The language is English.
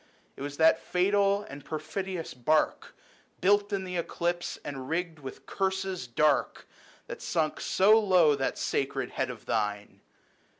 It was that fatal and perfidious bark, 100 Built in the eclipse, and rigged with curses dark, That sunk so low that sacred head of thine.